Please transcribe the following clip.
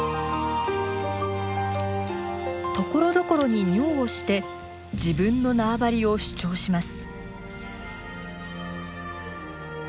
ところどころに尿をして自分の縄張りを主張します。